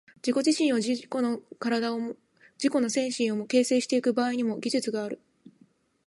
自己自身を、自己の身体をも自己の精神をも、形成してゆく場合にも、技術がある。